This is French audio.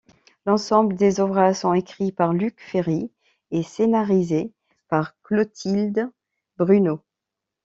L'ensemble des ouvrages sont écrits par Luc Ferry et scénarisés par Clotilde Bruneau.